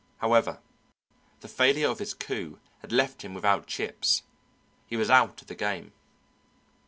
However, the failure of his coup had left him without chips; he was out of the game.